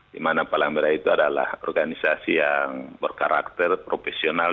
di mana palang merah itu adalah organisasi yang berkarakter profesional